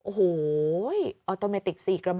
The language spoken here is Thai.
โอ้โหออโตเมติก๔กระบอก